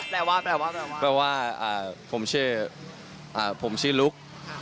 แปลว่าผมชื่อลุค